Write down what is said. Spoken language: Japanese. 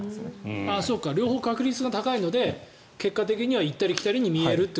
両方確率が高いので結果的には行ったり来たりに見えると。